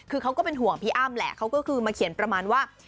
คือเขาก็เป็นห่วงพี่อ้ำแหละเขาก็คือมาเขียนประมาณว่า